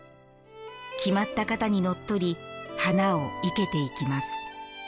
決まった型にのっとり花を生けていきます。